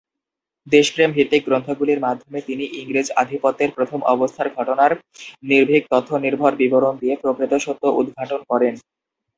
দেশপ্রেম ভিত্তিক গ্রন্থগুলির মাধ্যমে তিনি ইংরেজ আধিপত্যের প্রথম অবস্থার ঘটনার নির্ভীক তথ্য নির্ভর বিবরণ দিয়ে প্রকৃত সত্য উদ্ঘাটন করেন।